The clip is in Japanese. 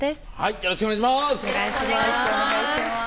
よろしくお願いします。